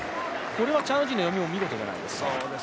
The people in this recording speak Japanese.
これはチャン・ウジンの読みも見事じゃないですか。